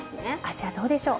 味はどうでしょう？